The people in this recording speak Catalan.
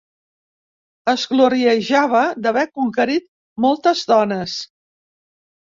Es gloriejava d'haver conquerit moltes dones.